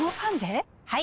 はい！